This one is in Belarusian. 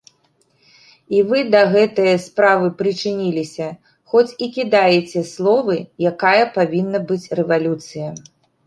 І вы да гэтае справы прычыніліся, хоць і кідаеце словы, якая павінна быць рэвалюцыя.